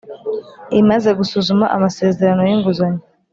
Imaze gusuzuma amasezerano y inguzanyo